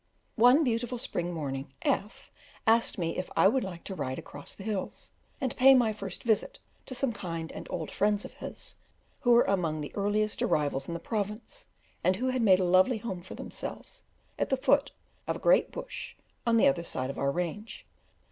One beautiful spring morning F asked me if I would like to ride across the hills, and pay my first visit to some kind and old friends of his, who were among the earliest arrivals in the province, and who have made a lovely home for themselves at the foot of a great Bush on the other side of our range.